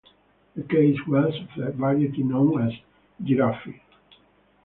The case was of the variety known as giraffe.